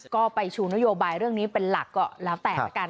ก็ไปชูนโยบายเรื่องนี้เป็นหลักก็แล้วแต่ละกัน